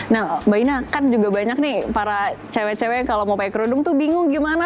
nah mbak ina kan juga banyak nih para cewek cewek yang kalau mau pakai kerudung tuh bingung gimana